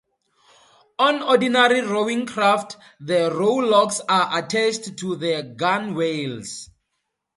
On ordinary rowing craft, the rowlocks are attached to the gunwales.